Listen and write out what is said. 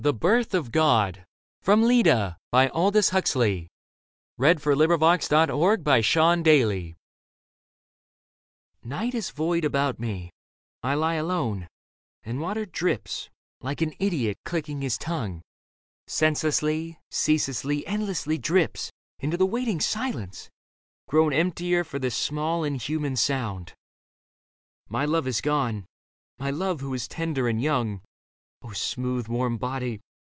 Broke sobbing forth, and all was still again. The Birth of God 19 THE BIRTH OF GOD NIGHT is a void about me ; I lie alone ; And water drips, like an idiot clicking his tongue, Senselessly, ceaselessly, endlessly drips Into the waiting silence, grown Emptier for this small inhuman sound. My love is gone, my love who is tender and young. smooth warm body